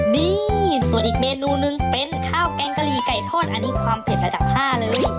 นี่ส่วนอีกเมนูนึงเป็นข้าวแกงกะหรี่ไก่ทอดอันนี้ความเผ็ดระดับ๕เลย